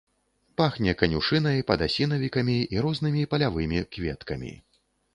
Пахне канюшынай, падасінавікамі і рознымі палявымі кветкамі.